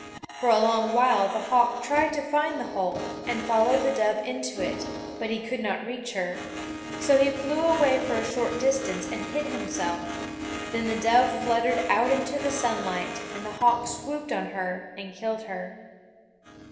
For a long while the hawk tried to find the hole, and follow the dove into it, but he could not reach her. So he flew away for a short distance and hid himself; then the dove fluttered out into the sunlight, and the hawk swooped on her and killed her.